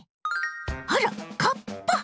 あらカッパ！